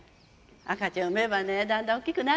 赤ちゃん産めばねだんだん大きくなるのよ。